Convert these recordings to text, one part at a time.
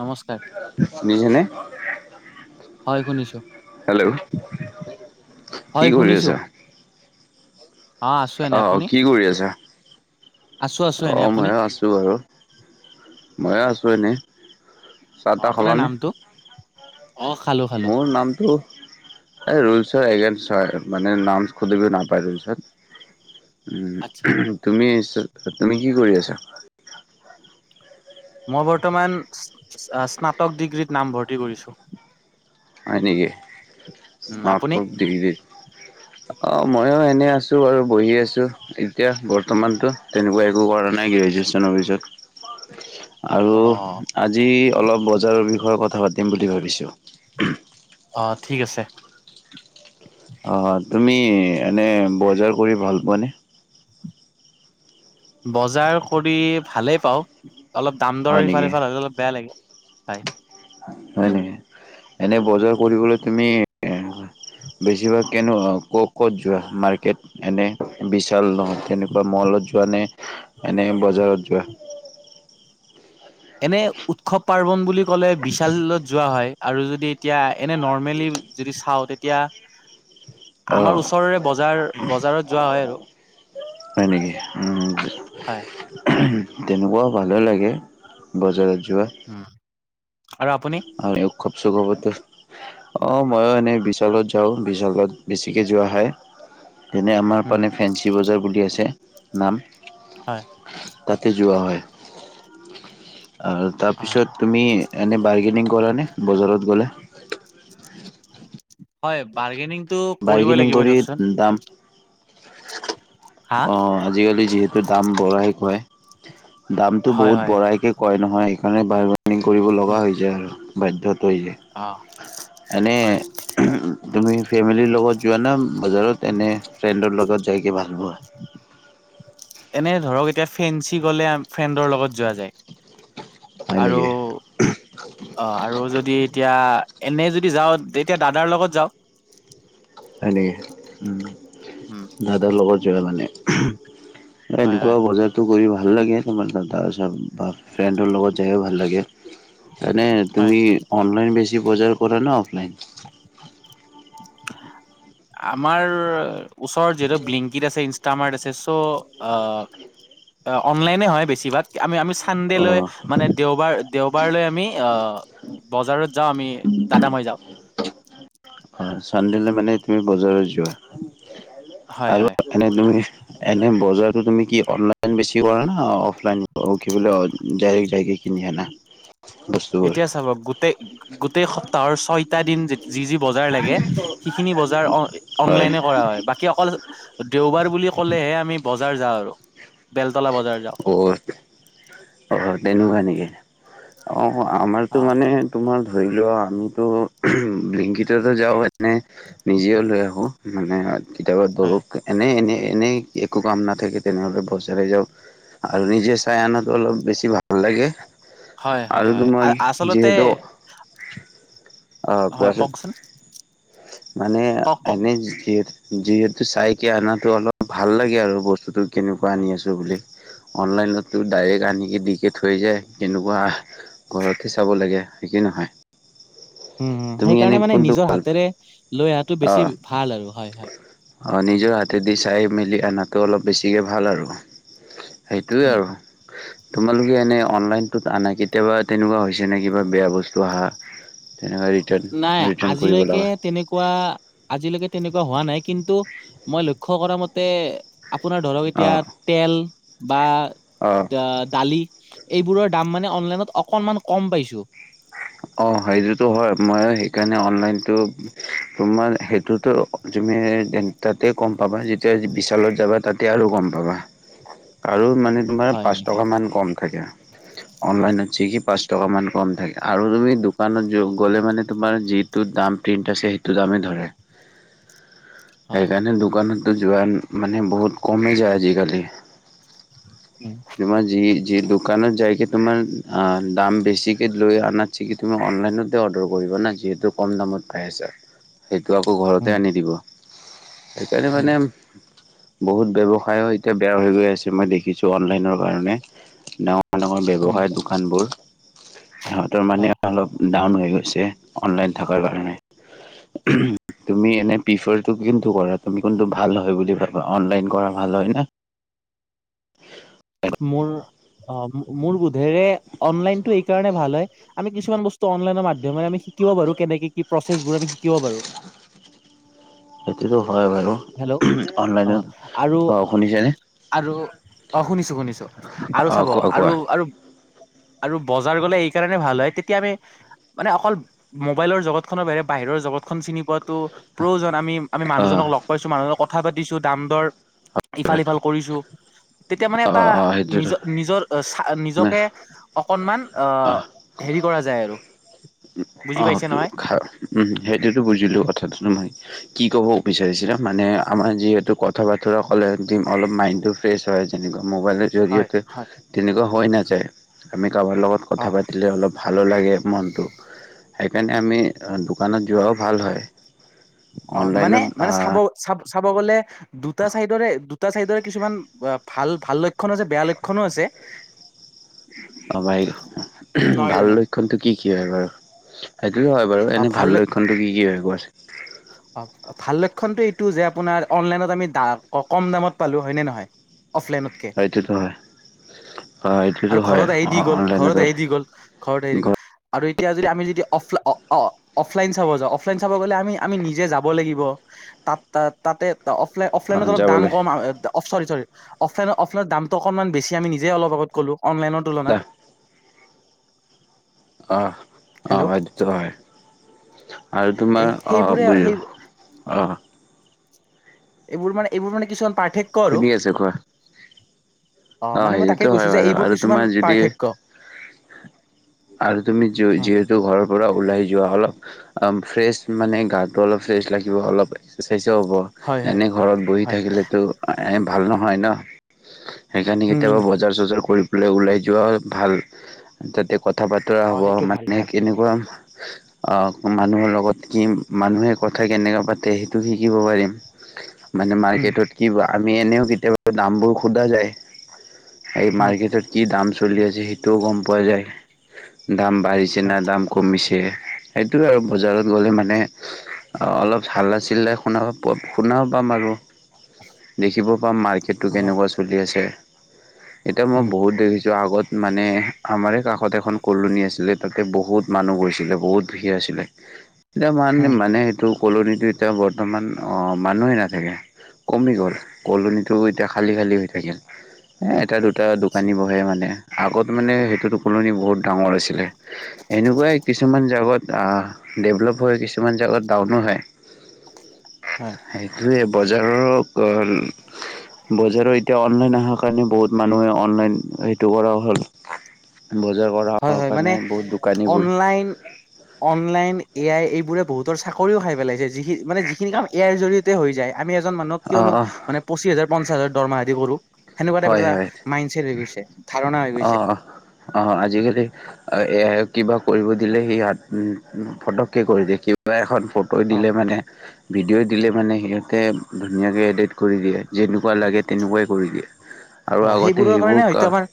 নমস্কাৰ শুনিছানে? হয় শুনিছো হেল্ল' হয় কি কৰি শুনিছো আছা? আছো এনে অ আপুনি কি কৰি আছা? আছো আছো অ এনে আপুনি মইয়ো আছো আৰু মইয়ো হয় আছো এনেই। চাহ অ তাহ আপোনাৰ খালানে? নামটো? অ খালো খালো মোৰ নামটো ৰুলচৰ এগেনষ্ট হয় মানে নাম সুধিব নাপায় ৰোলচত, আচ্ছা তুমি তুমি কি কৰি আছা? মই বৰ্তমান স্নাতক ডিগ্ৰীত নামভৰ্তি কৰিছোঁ। হয়নিকি, আপুনি স্নাতক ডিগ্ৰী। [inaudible] অ মইও এনে আছোঁ আৰু বহি আছোঁ এতিয়া বৰ্তমানতো তেনেকুৱা একো কৰা নাই কি। ৱেচনৰ পিছত। [inaudible] আৰু আজি অলপ বজাৰৰ বিষয়ে কথা পাতিম বুলি ভাবিছোঁ। অ ঠিক আছে। অ তুমি এনে বজাৰ কৰি ভাল পোৱানে। বজাৰ কৰি ভালেই পাওঁ অলপ দাম দৰ হয় সিফাল নেকি সিফাল হলে অলপ বেয়া লাগে। হয়। হয় নেকি এনে বজাৰ কৰিবলৈ তুমি। বেছিভাগ কেনো ক' ক'ত যোৱা মাৰ্কেট এনে বিশাল নহয় তেনেকুৱা মলত। যোৱা নে এনে বজাৰত যোৱা। [inaudible] এনে উৎসৱ পাৰ্বন বুলি ক'লে বিশালত যোৱা হয় আৰু যদি এতিয়া। এনে নৰ্মেলি যদি চাওঁ তেতিয়া। অ আমাৰ ওচৰৰে বজাৰ বজাৰত যোৱা হয় আৰু। হয় নেকি হয় তেনেকুৱাও ভাল লাগে বজাৰত। যোৱা উম আৰু আপুনি। খুব। [unintelligible] অ মইও এনেই বিশালত যাওঁ বিশালত বেছিকৈ যোৱা হয়। তেনে আমাৰ উম ফালে ফেঞ্চি বজাৰ বুলি আছে নাম। হয়। তাতে যোৱা হয় আৰু অ তাৰপিছত তুমি। এনে বাৰ্গেনিং কৰা নে বজাৰত গ'লে। হয় বাৰ্গেনিংটো কৰিবই বাৰ্গেনিং লাগিব কৰি দিয়কচোন। দাম হা? অ আজিকালি যিহেতু দাম বঢ়াই কয়। দামটো হয় বহুত হয় বঢ়াইকে কয় নহয় সেইকাৰণে বাৰ্গেনিং কৰিব লগা উম, হৈ যায় আৰু বাধ্যত। এ অ হয় তুমি ফেমিলিৰ লগত যোৱা না। বজাৰত এনে ফ্ৰেণ্ডৰ লগত যাইকে ভাল পোৱা। এনে ধৰক এতিয়া ফেঞ্চি গ'লে ফ্ৰেণ্ডৰ লগত যোৱা যায়। হয় আৰু নেকি অহ আৰু যদি এতিয়া। এনে যদি যাওঁ তেতিয়া দাদাৰ লগত যাওঁ। হয় নেকি উম উম, দাদাৰ লগত যোৱা মানে। হয় হয় এনেকুৱা বজাৰটো কৰি ভাল লাগে তোমাৰ দাদাৰ বা ফ্ৰেণ্ডৰ লগত। ভাল লাগে তাৰমানে হয় তুমি অনলাইন বেছ। চি বজাৰ কৰা নে অফলাইন। আমাৰ ওচৰৰত যিহেতু ব্লিংকিত আছে ইনচ। মাৰ্ট আছে চো অনলাইনয়ে হয় বেছিভাগ আমি আমি চে। ন্দেহ অ লৈ মানে দেওবাৰ। দেওবাৰলৈ আমি অহ বজাৰত যাওঁ আমি দাদা মই যাওঁ। চান্দেলে মানে তুমি বজাৰত যোৱা। হয় আৰু হয় এনে তুমি এনে বজাৰ। তুমি কি অনলাইন বেছি কৰা নহ অফলাইন কিলে বোলে ডাইৰেক্ট যাই কিনে কিনি অনা। এতিয়া চাব গোটেই গোটেই সপ্তাহৰ ছয়টা দিন যি যি বজাৰ লাগে সিখিনি। বজাৰ হয় অনলাইনে কৰা হয় বাকী। অকল দেওবাৰ বুলি ক'লেহে আমি বজাৰ যাওঁ আৰু বেলতলা বজাৰ যাওঁ। [inaudible] অ' অ তেনেকুৱা নেকি অ আমাৰতো মানে তোমাৰ। ধৰি লোৱা আমিতো ব্লিংকিতটো যাওঁ এনে নিজেও লৈ আহোঁ মানে। কেতিয়াবা হয় ধৰক এনে এনে। এনেই, একো কাম নাথাকে তেনেহলে [unintelligible] যাও আৰু নিজে চাই আনাটো অলপ বেছি ভাল লাগে হয় হয় আৰু হয় তোমাৰ আচলতে যিহেতু অ হয় কোৱাচোন, কওকচোন মানে কওক কওক এনে যিহেত যিহেতু চাইকে অনাতো অলপ ভাল লাগে আৰু বস্তুটো কেনেকুৱা আনি আছো বুলি। অনলাইনততো ডাইৰেক্ট আনিকে দিকে থৈ যায়, কেনেকুৱা ঘৰতহে চাব লাগে। সিকেই নহয়। উম, তুমি এনে সেইকাৰণে মানে কোনটো নিজৰ হাতেৰে লৈ অহাটো বেছি অ', ভাল আৰু হয়, হয়। অ নিজৰ হাতেদি চাই-মেলি অনাটো অলপ বেছিকে ভাল আৰু। সেইটোৱে উম আৰু। তোমালোকে এনে অনলাইনততো আনা কেতিয়াবা তেনেকুৱা হৈছে নে কিবা বেয়া বস্তু আহা? তেনেকুৱা ৰিটাৰ্ণ নাই ৰিটাৰ্ণ কৰিব আজিলৈকে লগা তেনেকুৱা, আজিলৈকে তেনেকুৱা হোৱা নাই, কিন্তু মই লক্ষ্য কৰা মতে আপোনাৰ ধৰক এতিয়া অ', তেল বা অ'। ড দালি এইবোৰৰ দাম মানে অনলাইনত অকনমান কম পাইছো। অ সেইতো হয়, মই সেইকাৰণে অনলাইনটো তোমাৰ সেইটোতো তুমি তাতে ক'ম পাবা যেতিয়া বিশালত যাবা তাতে আৰু গম পাবা, আৰু মানে তোমাৰ হয় পাঁচ এনেকে টকা মান কম থাকে, অনলাইনত চিকি পাঁচ টকা মান কম থাকে। আৰু তুমি দোকানত য গলে মানে তোমাৰ যিটো দাম প্ৰিণ্ট আছে সেইটো দামে ধৰে। [inaudible] অ সেইকাৰণে দোকানতো যোৱা মানে বহুত কমি যায় আজিকালি। উম তোমাৰ যি, যি দোকানত যাইকে তোমাৰ আ দাম বেছিকে লৈ আ আপোনাৰ চিকি তুমি অনলাইনতে অৰ্ডাৰ কৰিবা না যিহেতু কম দামত পাই আছা। সেইটো আকৌ উম ঘৰতে আনি দিব। সেইকাৰণে উম মানে বহুত ব্যৱসায়ও এতিয়া বেয়া হৈ গৈ আছে, মই দেখিছো অনলাইনৰ কাৰণে, ড উম ব্যৱসায় দোকানবোৰ, সিহঁতৰ মানে হয় অলপ ডাউন হৈ গৈছে অনলাইন থকাৰ কাৰণে। তুমি এনে প্ৰিফাৰটো কিন্তু কৰা তুমি কোনটো ভাল হয় বুলি ভাবা, অনলাইন কৰা ভাল ভাল হয় ন [inaudible] মোৰ অ মো- মোৰ বোধেৰে অনলাইনতটো এই কাৰণে ভাল হয়, আমি কিছুমান বস্তু অনলাইনৰ মাধ্যমেৰে আমি শিকিব বাৰু কেনেকে কি প্ৰচেছবোৰ আমি শিকিব পাৰো। সেইটোতো হয় বাৰু, হেল্ল' অ অনলাইনত, আৰু অ শুনিছেনে? আৰু অ শুনিছো, শুনিছো, আৰু অ চাব কোৱা কোৱা আৰু-আৰু আৰু বজাৰ গলে এই কাৰণে ভাল হয়, তেতিয়া আমি মানে অকল মোবাইলৰ জগতখনৰ বাহিৰে বা বাহিৰৰ জগতখন চিনি পোৱাাটো প্ৰয়োজন, আমি, আমি অ মানুহজনক লগ পাইছো, মানুহজনক কথা পাতিছো, দাম-দৰ ইফাল-সিফাল কৰিছো। মানে অ এটা অ সেইটোতো নিজৰ-নিজৰ চা নিজকে অকণমান অ, হেৰি কৰা যায় আৰু বুজি অ পাইছে নহয় হা উম সেইটোতো বুজিলো কথাটো নহয়, কি কব বিচাৰিছিলে, মানে আমাৰ যিহেতু কথা-বতৰা ক'লে দম অলপ মাইণ্ডটো ফ্ৰেছ হয় যেনেকুৱা। মোবাইলৰ হয় জৰিয়তে হয় তেনেকুৱা হৈ নাযায়, আমি কবাৰ লগত অ কথা পাতিলে অলপ ভালো লাগে মনটো। সেইকাৰণে আমি দোকানত যোৱাও ভাল হয়। অ মানে, অনলাইনত মানে, চাব-চাব চাব গ'লে দুটা চাইডৰে, দুটা চাইডৰে কিছুমান অ ভাল-ভাল লক্ষণ আছে বেয়া লক্ষণো আছে। [inaudible] অ ভাই নহয় ভাল জানো লক্ষণটো কি কি হয় বাৰু? সেইটে হয় বাৰু, অ এনে ভাল লক্ষ লক্ষণটো কি কি হয় কোৱাছ অ ভাল লক্ষণটো এইটো যে আপোনাৰ অনলাইনত আমি কম দামত পালো হয় ন নহয় অফলাইনতকৈ সেইটোতো হয় অ সেইটোতো আৰু হয় ঘৰত আহি অ দি গ'ল অনলাইনত ঘৰত আহি দি গ'ল ঘৰত আহি দি গ'ল আৰু এতিয়া যদি আমি যদি অফলাই অ অফলাইন চাব যাওঁ অফলাইন চাব গ'লে আমি আমি নিজে যাব লাগিব তাত তাতে অফলাইন অফলাইনত অলপ দাম যাবলৈ কম চৰি চৰি অফলাইনৰ অফলাইনৰ দামটো অকমান বেছি আি নিজে অপ আগত কলো অনলাইনৰ তুলনাত আহ হেল্ল' আহজটো হয় আৰু এ তোমাৰ অঁ সেইবোৰে বুজু সেই অঁ এইবোৰ মানে এইবোৰ মান কিছু অ খন্দ আছে কোৱা অ মানে মই তাকে সেইটোতো হয় কৈছো যে বাৰু এইবোৰ আৰু কিছুমান তোমাৰ যদি পাৰ্থক্য আৰু তুমি যিহেতু ঘৰৰ পৰা ওলাই যোৱা অলপ অ ফ্ৰেচ মানে গাটো অলপ ফ্ৰেছ লাগিব অলপ হ'ব হয় হয় এনে ঘৰত বহি হয় থাকিলেতো ভাল নহয় ন সেইকাৰণি উম কেতিয়াবা বজাৰ চজাৰ কৰি পেলাই ওলাই যোৱা ভাল তাতে কথা বতৰা অ হ'ব সেইটো ভাল মানে ভাল কেনেকুৱা অ মানুহৰ লগত কি মানুহে কথা কেনেকা পাতে সেইটো শিকিব পাৰিম [unintelligible] মানে উম মাৰ্কেটত কি বা আমি এনেও কেতিয়াবা দামবোৰ সোধা যায় এই উম মাৰ্কেটত কি দাম চলি আছে সেইটোও গম পোৱা যায় দাম বাঢ়িছে হয় ন দাম কমিছে সেইটোৱে আৰু বজাৰত গ'লে মানে অলপ হালা চিলাই শুন শুনাও পাম আৰু দেখিব পাম মাৰ্কেটটো অ কেনেকুৱা চলি আছে এতিয়া মই উম বহুত দেখিছোঁ আগত মানে আমাৰে কাষত এখন কলনী আছিলে তাতে বহুত মানুহ গৈছিলে বহুত ভিৰ আছিলে এতিয়া মান উম মানে সেইটো কলনত এতিয়া বৰ্তমান মানুহেই নাথাকে কমি গ'ল কলনীটো এতিয়া খালি খালী হৈ থাকিল এটা দুটা আচ্ছা দোকানী বহে মানে আগত মানে সেইটো টোোকুলনি বহুত ডাঙৰ আছিলে এনেকুৱাই কিছুমান জাগাত আহ ডেভলপ হয় কিছুমান জাগাত ডাউনো হয় হয় সেইটোৱে বজাৰৰ বজাৰৰ এতিয়া অনলাইন অাৰ কাৰণে বহুত মানুহে অনলাইন সেইটো কৰা হ'ল বজাৰ কৰা হয় হয় মানে কাৰণে বহুত দোকানীবোৰ অনলাইন অনলাইন এ আই এইবোৰে বহুতৰ চাকৰিও খাই পেলাইছে যিখি মানে যিখিনি কাম এ আইৰ জৰিয়তে হৈ যায় আমি এজন মানুক অ', কিয়নো অ', মানে পঁচিছ হাজাৰ পঞ্চাছাজাৰ দমহাৰি কৰোঁ সেনেকুৱা টাইপ হয় এটা হয়। মাইণ্ড চছেট হৈ গৈছে ধাৰণা হৈ গৈছে আৰু এ কিবা কৰিব দিলে সিাত ফটককৈ কৰি দিয়ে কিবা এখন ফটো অ দিলে মানে ভিডিঅ' দিলে মানে সিহঁতে ধুনীয়াকৈ এডিট কৰি দিয়ে যেনেকুৱা লাগে তেনেকুৱাই কৰি দিয়ে আৰু অ আগতে সেইবোৰৰ সেইবোৰ কাৰণে হয়তো আমাৰ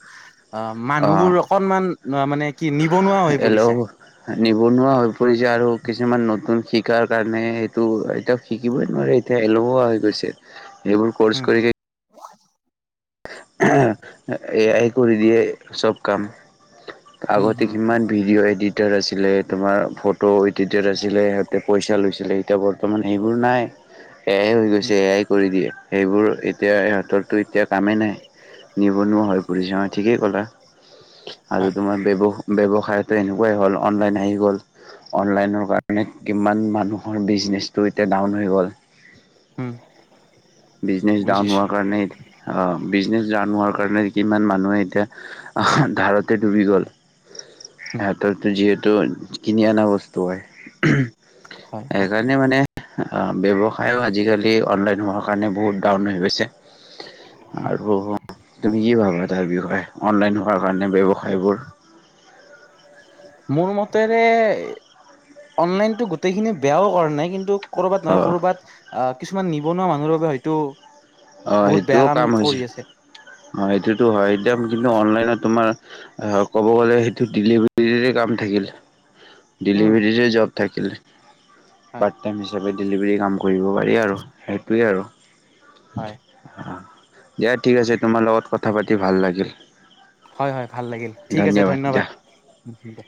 অ মানুহবোৰ অকনমান মানে কি নিবনুৱা হৈ এল পৰিছে নিবনুৱা হৈ পৰিছে আৰু কিছুমান নতুন শ শিকাৰ কাৰণে এইটো এতিয়া শিকিবই নোৱাৰে এতিয়া এলহুৱা হৈ গৈছে এইবোৰ উম ক'ৰ্চ কৰি কি এয়াই কৰি দিয়ে চব কাম। উম আগতে হুম কিমান ভিডিঅ' এডিট ডটাৰ আছিলে তোমাৰ ফটো এডিটাৰ আছিলে সিহঁতে পইচা লৈছিলে এতিয়া বৰ্তমান সেইবোৰ নাই। [inaudible] এয়াই হৈ উম গৈছে এয়াই কৰি দিয়ে সেইবোৰ এতিয়া ইহঁততো এতিয়া কামেই নাই। নিবনুৱা হৈ ফুছে ঠিকেই ক'লা আৰু হয় তোমাৰ ব্য ব্যৱসায়টো এনেকুৱাই হ'ল অনলাইন আহি গ'ল অনলাইনৰ কাৰণে কিমান মানুহৰ বিজনে এতি ডাউন হৈ গল। উম বিজনেছ ডাউন বুজিছো হোৱাৰ কাৰণে জানোৱাৰ কাৰণে কিমান মানুহে এতিয়া আহ ধাৰতে ডুবি গ'ল। উম সিহতৰো যিহেতু কিনি অনা বস্তু হয়। হয় হয় সেইকাৰণে মানে ব্যৱসায়ো আজিকালি অনলাইন হোৱাৰ কাৰণে বহুত ডাউন হৈ গৈছে আৰু তুমি কি ভাবা তাৰ বিষয়ে অনলাইন হোৱাৰ কাৰণে ব্যৱসায়বোৰ মোৰ মতেৰে অনলাইনতো গোটেইখিনি বেয়াও কৰা নাই কিন্তু কৰ'ৰবাত অ নহয় ক'বাত আহ কিছুমান নিবনুৱা মানুহৰ বাবে হয়তো অঁ', বহুত বেয়া সেইটোও কাম কৰি হৈছে আছে অঁ সেইটোতো হয় একদম কিন্তু অনলাইনত তোমাৰ ক'ব গ'লে সেইটো ডেলিভাৰীৰে কাম থাকিল উম ডেলিভাৰীৰে জব থাকিল হয় পাৰ্ট টাইম হিচাপে ডেলিভাৰী কাম কৰিব পাৰি আৰু সেইটোৱেই আৰু। হয় দিয়া ঠিক আছে তোমাৰ লগত কথা পাতি ভাল লাগিল। হয় হয় ভাল লাগিল ঠিক আছে ধন্যবাদ দে।